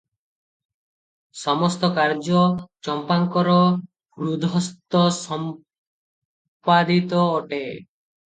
ସମସ୍ତ କାଯ୍ୟ ଚଂପାଙ୍କର ହୃହସ୍ତ ସଂପାଦିତ ଅଟେ ।